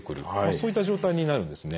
そういった状態になるんですね。